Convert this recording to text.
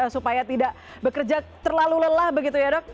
supaya tidak bekerja terlalu lelah begitu ya dok